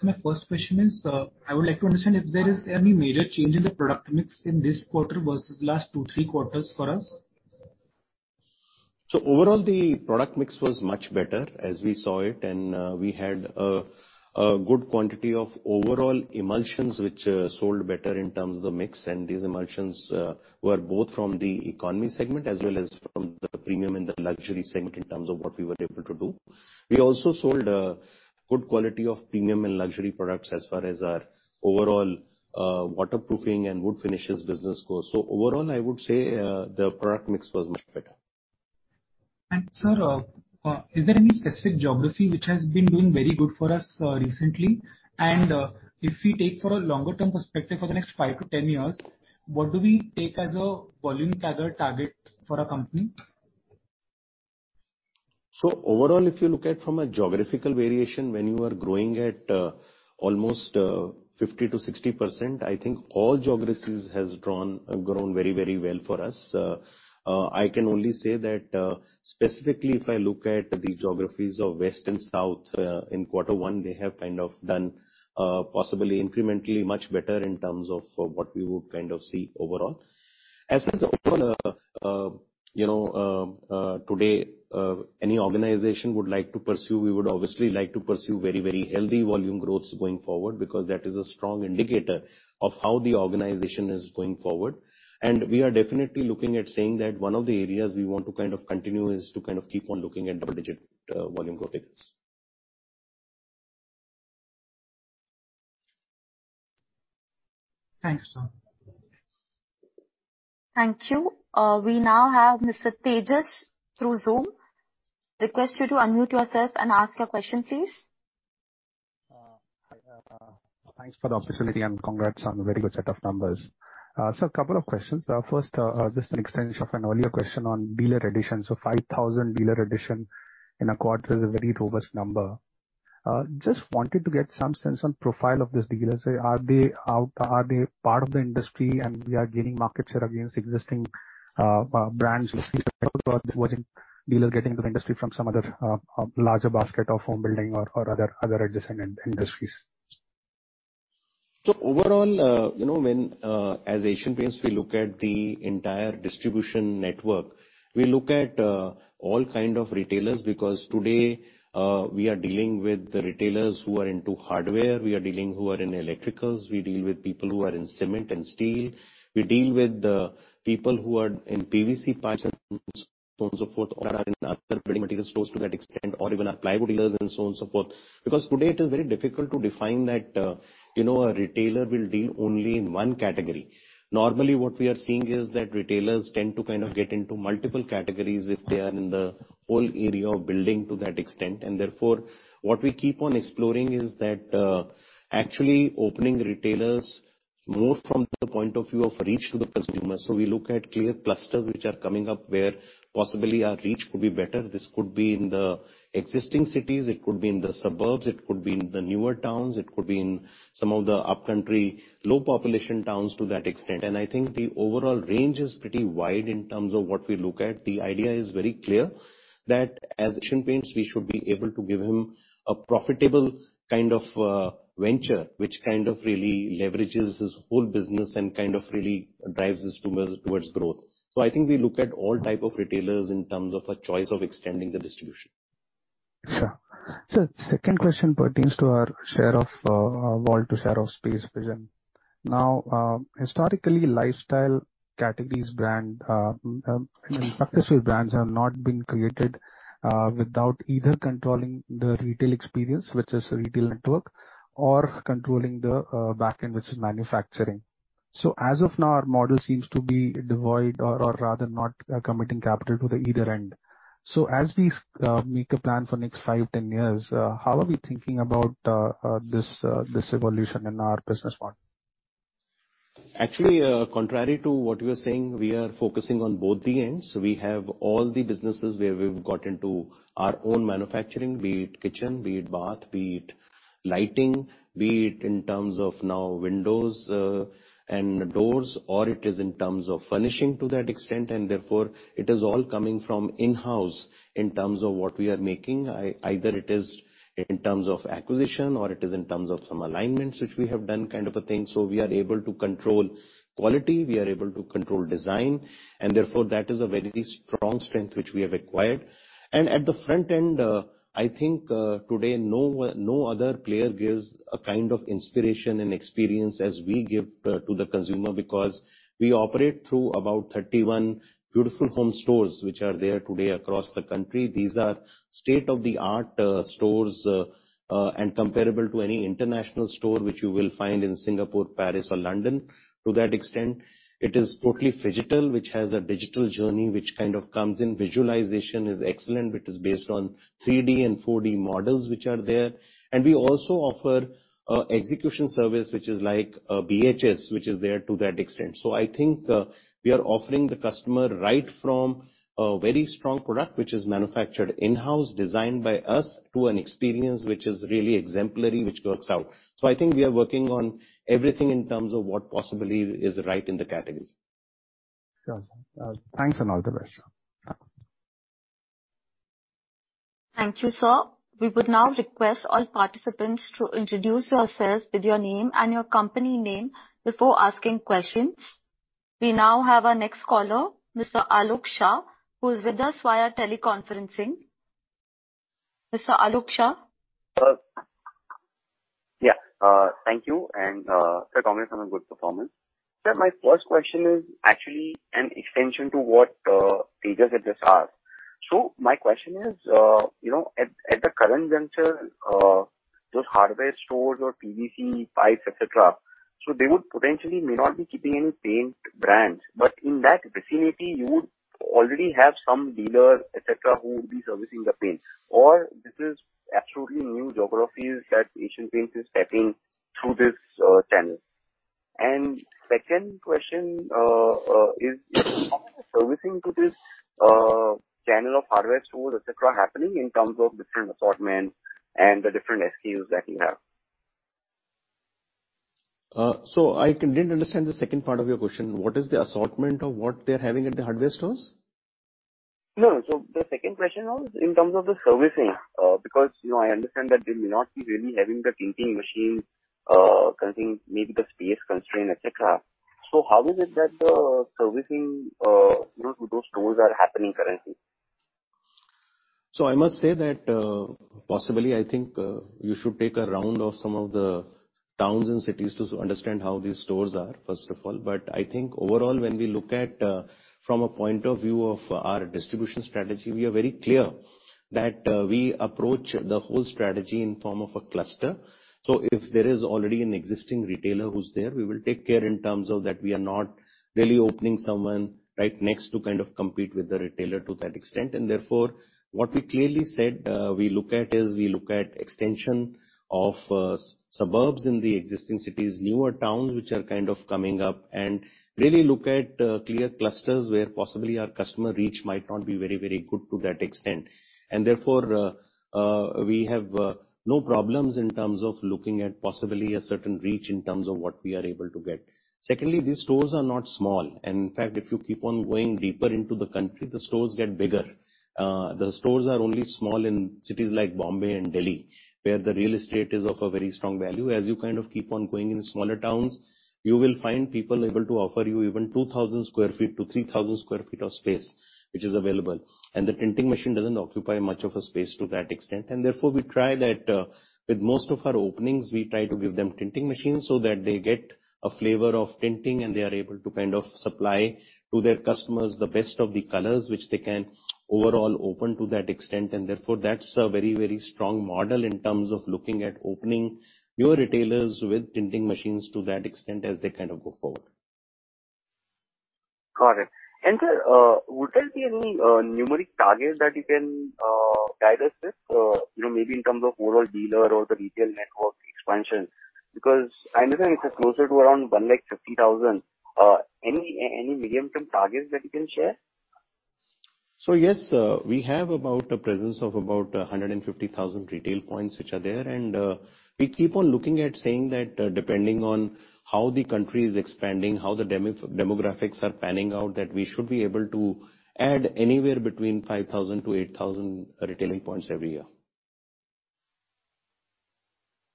My first question is, I would like to understand if there is any major change in the product mix in this quarter versus last two, three quarters for us. Overall, the product mix was much better as we saw it. We had a good quantity of overall emulsions which sold better in terms of the mix. These emulsions were both from the economy segment as well as from the premium and the luxury segment in terms of what we were able to do. We also sold good quality of premium and luxury products as far as our overall waterproofing and wood finishes business goes. Overall, I would say the product mix was much better. Sir, is there any specific geography which has been doing very good for us, recently? If we take for a longer term perspective for the next five to 10 years, what do we take as a volume CAGR target for our company? Overall, if you look at from a geographical variation, when you are growing at almost 50%-60%, I think all geographies has grown very, very well for us. I can only say that specifically if I look at the geographies of West and South in quarter one, they have kind of done possibly incrementally much better in terms of what we would kind of see overall. As is overall, you know, today any organization would like to pursue, we would obviously like to pursue very, very healthy volume growths going forward, because that is a strong indicator of how the organization is going forward. We are definitely looking at saying that one of the areas we want to kind of continue is to kind of keep on looking at double-digit volume growth figures. Thanks, sir. Thank you. We now have Mr. Tejash through Zoom. Request you to unmute yourself and ask your question, please. Hi. Thanks for the opportunity and congrats on a very good set of numbers. A couple of questions. First, just an extension of an earlier question on dealer addition. 5,000 dealer addition in a quarter is a very robust number. Just wanted to get some sense on profile of these dealers. Are they part of the industry and we are gaining market share against existing brands, dealers getting into the industry from some other larger basket of home building or other adjacent industries. Overall, you know, when, as Asian Paints, we look at the entire distribution network. We look at all kind of retailers because today we are dealing with the retailers who are into hardware, who are in electricals, we deal with people who are in cement and steel. We deal with people who are in PVC pipes and so on and so forth, or are in other building material stores to that extent, or even plywood dealers and so on and so forth. Today it is very difficult to define that, you know, a retailer will deal only in one category. Normally, what we are seeing is that retailers tend to kind of get into multiple categories if they are in the whole area of building to that extent. Therefore, what we keep on exploring is that, actually opening retailers more from the point of view of reach to the consumer. We look at clear clusters which are coming up where possibly our reach could be better. This could be in the existing cities, it could be in the suburbs, it could be in the newer towns, it could be in some of the upcountry low population towns to that extent. I think the overall range is pretty wide in terms of what we look at. The idea is very clear, that as Asian Paints, we should be able to give him a profitable kind of venture, which kind of really leverages his whole business and kind of really drives us towards growth. I think we look at all type of retailers in terms of a choice of extending the distribution. Sure. Second question pertains to our share of wallet to share of space vision. Now, historically, lifestyle categories brand, you know, successful brands have not been created without either controlling the retail experience, which is retail network, or controlling the back end, which is manufacturing. As of now, our model seems to be devoid or rather not committing capital to either end. As we make a plan for next five, 10 years, how are we thinking about this evolution in our business model? Actually, contrary to what you are saying, we are focusing on both the ends. We have all the businesses where we've got into our own manufacturing, be it kitchen, be it bath, be it lighting, be it in terms of now windows, and doors, or it is in terms of furnishing to that extent. Therefore, it is all coming from in-house in terms of what we are making. Either it is in terms of acquisition or it is in terms of some alignments which we have done kind of a thing. We are able to control quality, we are able to control design, and therefore, that is a very strong strength which we have acquired. At the front end, I think, today no other player gives a kind of inspiration and experience as we give to the consumer because we operate through about 31 Beautiful Homes stores which are there today across the country. These are state-of-the-art stores and comparable to any international store which you will find in Singapore, Paris or London. To that extent, it is totally phygital, which has a digital journey which kind of comes in. Visualization is excellent, which is based on 3D and 4D models which are there. We also offer execution service, which is like BHS, which is there to that extent. I think we are offering the customer right from a very strong product which is manufactured in-house, designed by us, to an experience which is really exemplary, which works out. I think we are working on everything in terms of what possibly is right in the category. Sure, sir. Thanks and all the best, sir. Yeah. Thank you, sir. We would now request all participants to introduce yourselves with your name and your company name before asking questions. We now have our next caller, Mr. Alok Shah, who is with us via Teleconferencing. Mr. Alok Shah? Thank you. Sir, congrats on a good performance. Sir, my first question is actually an extension to what Tejash had just asked. My question is, you know, at the current juncture, those hardware stores or PVC pipes, et cetera, so they would potentially may not be keeping any paint brands, but in that vicinity you would already have some dealer, et cetera, who would be servicing the paint. Or this is absolutely new geographies that Asian Paints is tapping through this channel. Second question, is servicing to this channel of hardware stores, et cetera, happening in terms of different assortment and the different SKUs that you have? Didn't understand the second part of your question. What is the assortment of what they are having at the hardware stores? No. The second question was in terms of the servicing, because, you know, I understand that they may not be really having the tinting machine, considering maybe the space constraint, et cetera. How is it that the servicing, you know, to those stores are happening currently? I must say that, possibly I think, you should take a round of some of the towns and cities to understand how these stores are, first of all. I think overall, when we look at, from a point of view of our distribution strategy, we are very clear that, we approach the whole strategy in form of a cluster. If there is already an existing retailer who's there, we will take care in terms of that we are not really opening someone right next to kind of compete with the retailer to that extent. Therefore, what we clearly said we look at is extension of suburbs in the existing cities, newer towns which are kind of coming up and really look at clear clusters where possibly our customer reach might not be very, very good to that extent. Therefore, we have no problems in terms of looking at possibly a certain reach in terms of what we are able to get. Secondly, these stores are not small, and in fact, if you keep on going deeper into the country, the stores get bigger. The stores are only small in cities like Bombay and Delhi, where the real estate is of a very strong value. As you kind of keep on going in smaller towns, you will find people able to offer you even 2,000 sq ft-3,000 sq ft of space, which is available. The tinting machine doesn't occupy much of a space to that extent. Therefore, we try that, with most of our openings, we try to give them tinting machines so that they get a flavor of tinting and they are able to kind of supply to their customers the best of the colors which they can overall open to that extent. Therefore, that's a very, very strong model in terms of looking at opening newer retailers with tinting machines to that extent as they kind of go forward. Got it. Sir, would there be any numeric target that you can guide us with, you know, maybe in terms of overall dealer or the retail network expansion? Because I understand it is closer to around 150,000. Any medium-term targets that you can share? Yes, we have about a presence of about 150,000 retail points which are there. We keep on looking at saying that, depending on how the country is expanding, how the demographics are panning out, that we should be able to add anywhere between 5,000 retail points-8,000 retail points every year.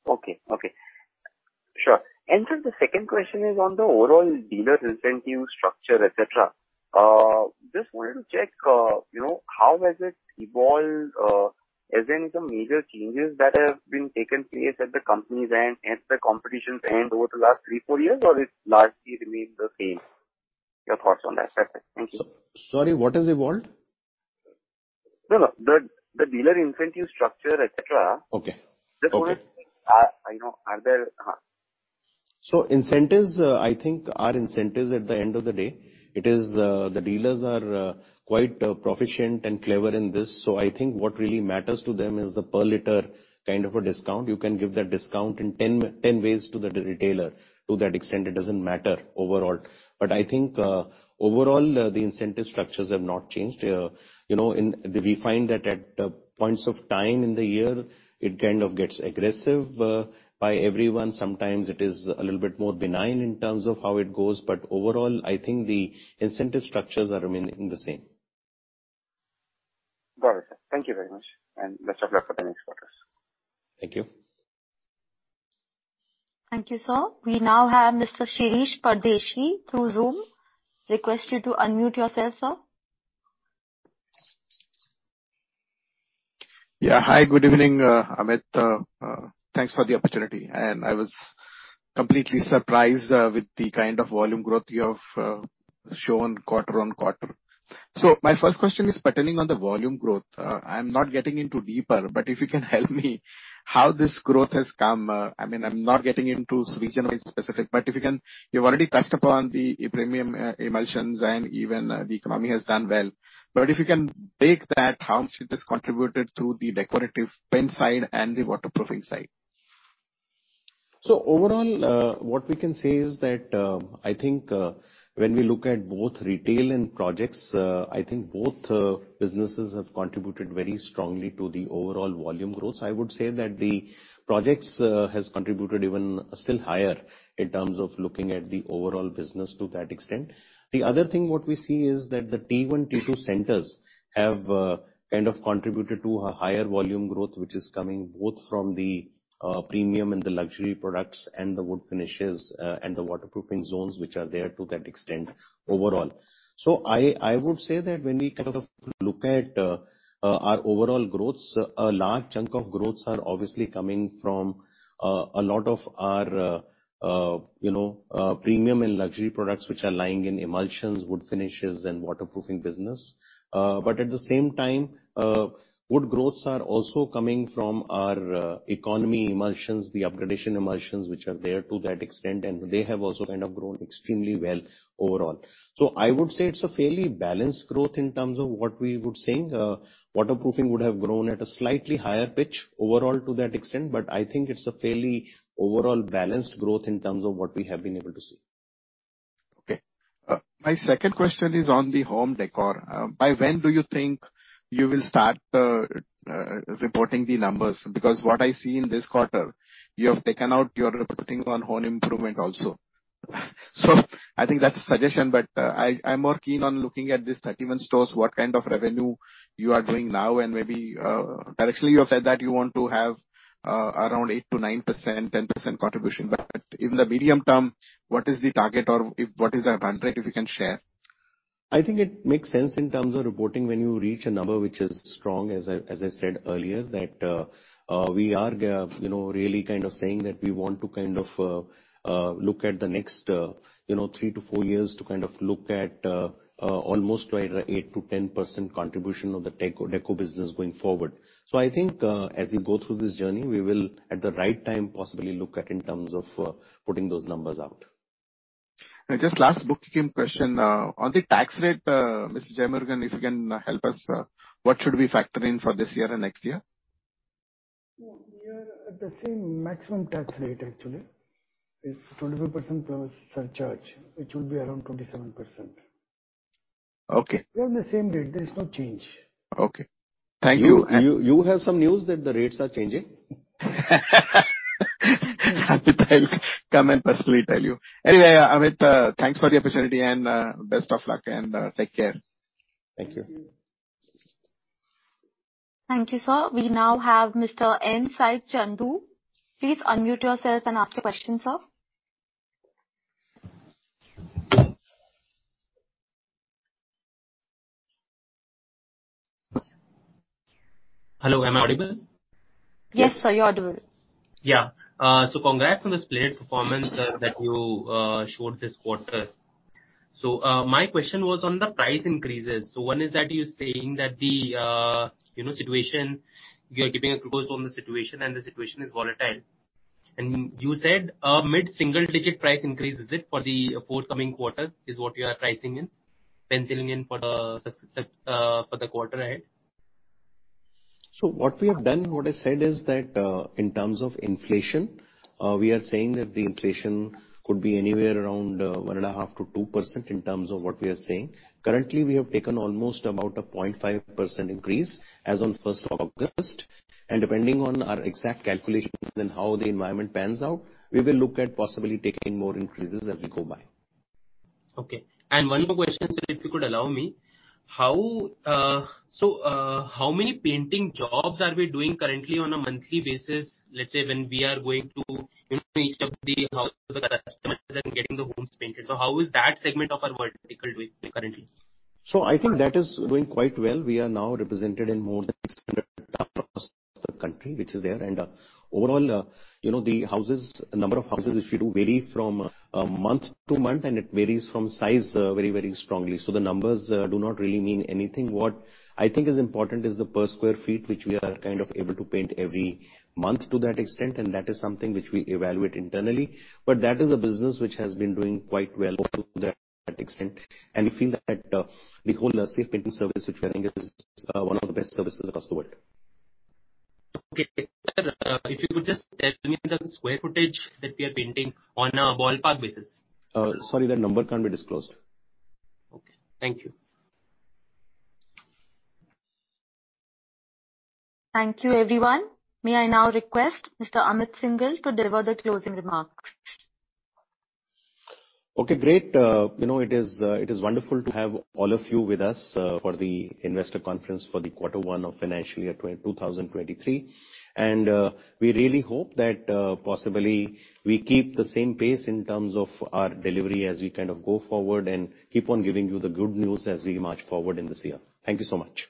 Okay. Sir, the second question is on the overall dealer incentive structure, et cetera. Just wanted to check, you know, how has it evolved? Has there been some major changes that have been taken place at the company's end, at the competition's end over the last three, four years, or it's largely remained the same? Your thoughts on that's it. Thank you. Sorry, what has evolved? No, no. The dealer incentive structure, et cetera. Okay. Okay. Just wanted to, you know, are there? Incentives, I think, are incentives at the end of the day. It is, the dealers are quite proficient and clever in this. I think what really matters to them is the per liter kind of a discount. You can give that discount in 10 ways to the retailer. To that extent, it doesn't matter overall. I think overall, the incentive structures have not changed. You know, we find that at points of time in the year, it kind of gets aggressive by everyone. Sometimes it is a little bit more benign in terms of how it goes. Overall, I think the incentive structures are remaining the same. Got it, sir. Thank you very much, and best of luck for the next quarters. Thank you. Thank you, sir. We now have Mr. Shirish Pardeshi through Zoom. Request you to unmute yourself, sir. Yeah. Hi. Good evening, Amit. Thanks for the opportunity. I was completely surprised with the kind of volume growth you have shown quarter-on-quarter. My first question is pertaining on the volume growth. I'm not getting into deeper, but if you can help me how this growth has come. I mean, I'm not getting into region-wide specific. You've already touched upon the premium emulsions, and even the economy has done well. If you can break that, how much it has contributed to the decorative paint side and the waterproofing side. Overall, what we can say is that, I think, when we look at both retail and projects, I think both businesses have contributed very strongly to the overall volume growth. I would say that the projects has contributed even still higher in terms of looking at the overall business to that extent. The other thing what we see is that the T1, T2 centers have kind of contributed to a higher volume growth, which is coming both from the premium and the luxury products and the wood finishes and the waterproofing zones which are there to that extent overall. I would say that when we kind of look at our overall growths, a large chunk of growths are obviously coming from a lot of our you know premium and luxury products which are lying in emulsions, wood finishes and waterproofing business. But at the same time, good growths are also coming from our economy emulsions, the upgradation emulsions, which are there to that extent, and they have also kind of grown extremely well overall. I would say it's a fairly balanced growth in terms of what we are seeing. Waterproofing would have grown at a slightly higher pitch overall to that extent, but I think it's a fairly overall balanced growth in terms of what we have been able to see. Okay. My second question is on the home decor. By when do you think you will start reporting the numbers? Because what I see in this quarter, you have taken out your reporting on home improvement also. I think that's a suggestion, but I'm more keen on looking at these 31 stores, what kind of revenue you are doing now and maybe, directionally you have said that you want to have around 8%-9%, 10% contribution. But in the medium term, what is the target or what is the run rate, if you can share? I think it makes sense in terms of reporting when you reach a number which is strong, as I said earlier, that we are you know really kind of saying that we want to kind of look at the next you know three to four years to kind of look at almost 8%-10% contribution of the deco business going forward. I think as we go through this journey, we will at the right time possibly look at in terms of putting those numbers out. Just last bookkeeping question. On the tax rate, Mr. R J Jeyamurugan, if you can help us, what should we factor in for this year and next year? We're at the same maximum tax rate, actually. It's 24%+ surcharge, which will be around 27%. Okay. We're on the same rate. There is no change. Okay. Thank you. You have some news that the rates are changing? I think I'll come and personally tell you. Anyway, Amit, thanks for the opportunity and best of luck and take care. Thank you. Thank you. Thank you, sir. We now have Mr. N. Sai Chandu. Please unmute yourself and ask your question, sir. Hello, am I audible? Yes, sir, you're audible. Yeah. Congrats on this great performance that you showed this quarter. My question was on the price increases. One is that you're saying that the situation, you know, you are keeping a close eye on the situation, and the situation is volatile. You said mid-single-digit price increase, is it, for the forthcoming quarter is what you are pricing in, penciling in for the quarter ahead? What we have done, what I said is that, in terms of inflation, we are saying that the inflation could be anywhere around 1.5%-2% in terms of what we are seeing. Currently, we have taken almost about a 0.5% increase as on first of August. Depending on our exact calculations and how the environment pans out, we will look at possibly taking more increases as we go by. Okay. One more question, sir, if you could allow me. How many painting jobs are we doing currently on a monthly basis? Let's say when we are going to, you know, each of the houses and getting the homes painted. How is that segment of our vertical doing currently? I think that is going quite well. We are now represented in more than 600 towns across the country, which is there. Overall, you know, the number of houses which we do vary from month to month, and it varies in size very, very strongly. The numbers do not really mean anything. What I think is important is the per square feet, which we are kind of able to paint every month to that extent, and that is something which we evaluate internally. That is a business which has been doing quite well to that extent. We feel that the whole Asian Paints Safe Painting Service, which we are doing, is one of the best services across the world. Okay. Sir, if you could just tell me the square footage that we are painting on a ballpark basis. Sorry, that number can't be disclosed. Okay. Thank you. Thank you, everyone. May I now request Mr. Amit Syngle to deliver the closing remarks. Okay, great. You know, it is wonderful to have all of you with us for the investor conference for the quarter one of financial year 2023. We really hope that possibly we keep the same pace in terms of our delivery as we kind of go forward and keep on giving you the good news as we march forward in this year. Thank you so much.